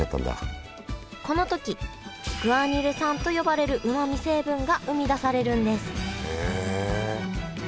この時グアニル酸と呼ばれるうまみ成分が生み出されるんです。